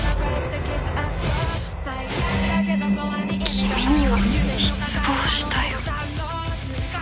「君には失望したよ」。